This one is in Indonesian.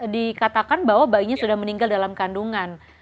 dikatakan bahwa bayinya sudah meninggal dalam kandungan